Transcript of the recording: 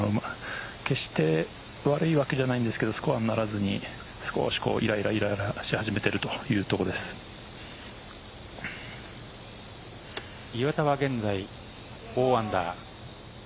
決して悪いわけじゃないんですけどスコアにならずに少しイライラし始めている岩田は現在４アンダー。